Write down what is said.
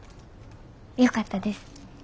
よかったです。